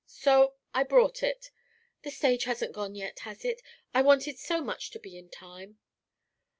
So I brought it. The stage hasn't gone yet, has it? I wanted so much to be in time."